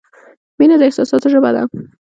• مینه د احساساتو ژبه ده.